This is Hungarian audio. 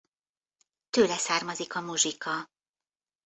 Tőle származik a muzsika.